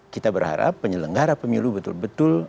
kita berharap penyelenggara pemilu betul betul